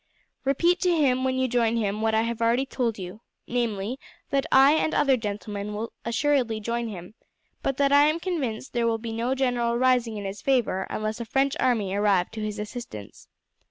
Repeat to him when you join him what I have already told you, namely, that I and other gentlemen will assuredly join him; but that I am convinced there will be no general rising in his favour unless a French army arrive to his assistance.